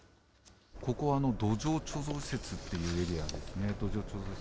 ここは土壌貯蔵施設っていうエリアですね。